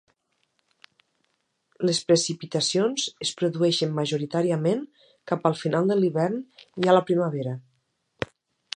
Les precipitacions es produeixen majoritàriament cap al final de l'hivern i a la primavera.